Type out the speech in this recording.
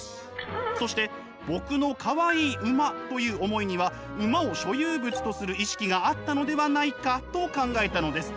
そして「僕のかわいい馬」という思いには馬を所有物とする意識があったのではないかと考えたのです。